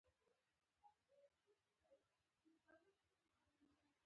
کروندګر د حاصل په اړه هره لحظه فکر کوي